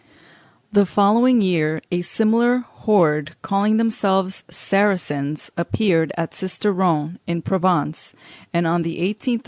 In the following year a similar horde, calling themselves Saracens, appeared at Sisteron, in Provence; and on the 18th.